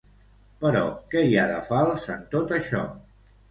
Però que hi ha de fals en tot això?